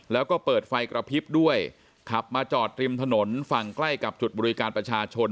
แล้วก็เปิดไฟกระพริบด้วยขับมาจอดริมถนนฝั่งใกล้กับจุดบริการประชาชน